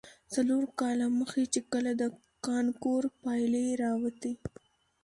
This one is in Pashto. څلور کاله مخې، چې کله د کانکور پايلې راوتې.